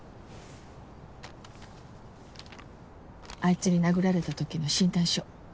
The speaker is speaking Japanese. あいつに殴られた時の診断書。